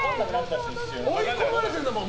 追い込まれてるんだもん